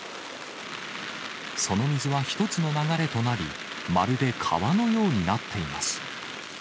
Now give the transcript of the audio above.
その水は１つの流れとなり、まるで川のようになっています。